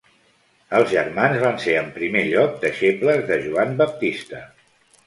Els germans van ser en primer lloc deixebles de Joan Baptista.